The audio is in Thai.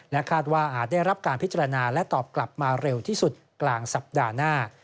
คาดว่าอาจได้รับการพิจารณาและตอบกลับมาเร็วที่สุดกลางสัปดาห์หน้า